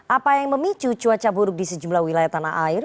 apa yang memicu cuaca buruk di sejumlah wilayah tanah air